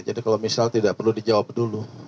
jadi kalau misalnya tidak perlu dijawab dulu